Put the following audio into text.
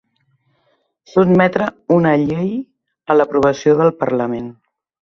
Sotmetre una llei a l'aprovació del parlament.